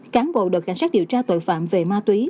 cán bộ đội cảnh sát điều tra tội phạm về ma túy